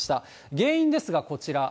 原因ですが、こちら。